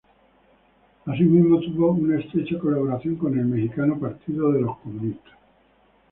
Así mismo tuvo una estrecha colaboración con el mexicano Partido de los Comunistas.